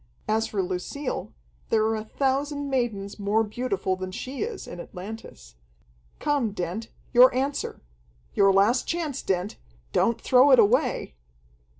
As for Lucille, there are a thousand maidens more beautiful than she is, in Atlantis. Come, Dent, your answer! Your last chance, Dent! Don't throw it away!"